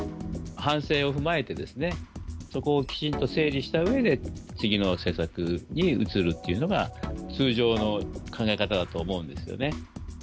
反省を踏まえてですね、そこをきちんと整理したうえで、次の政策に移るっていうのが、通常の考え方だと思うんですよね。